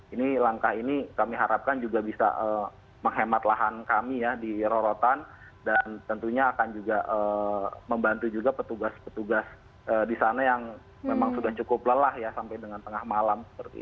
ini langkah ini kami harapkan juga bisa menghemat lahan kami ya di rorotan dan tentunya akan juga membantu juga petugas petugas di sana yang memang sudah cukup lelah ya sampai dengan tengah malam